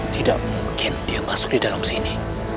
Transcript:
tidak mungkin dia masuk di dalam sini